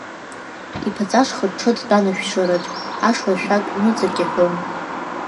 Иԥаҵаш хыҽҽо дтәан ашәшьыраҿ, Ашла ашәак ныҵак иҳәон.